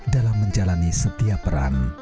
dalam menjalani setiap peran